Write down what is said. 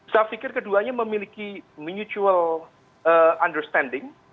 saya pikir keduanya memiliki mutual understanding